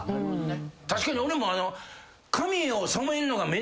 確かに俺も。